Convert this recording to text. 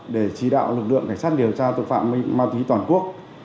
để chỉ đạo lực lượng cảnh sát điều tra tội phạm ma túy toàn quốc